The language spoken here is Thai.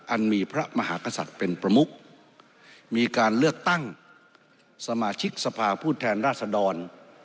อันมีพระมหากษัตริย์เป็นประมุกมีการเลือกตั้งสมาชิกสภาพผู้แทนราชดร